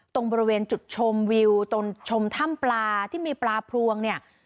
ตรงบริเวณจุดชมวิวตรงชมถ้ำปลาที่มีปลาพรวงเนี่ย